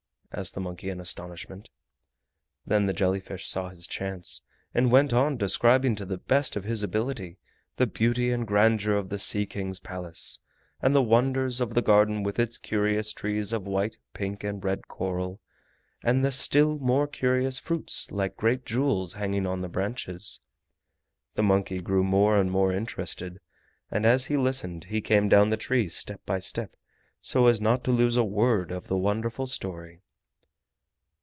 asked the monkey in astonishment. Then the jelly fish saw his chance, and went on describing to the best of his ability the beauty and grandeur of the Sea King's Palace, and the wonders of the garden with its curious trees of white, pink and red coral, and the still more curious fruits like great jewels hanging on the branches. The monkey grew more and more interested, and as he listened he came down the tree step by step so as not to lose a word of the wonderful story.